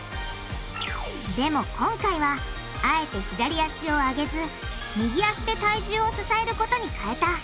でも今回はあえて左足を上げず右足で体重を支えることに変えた。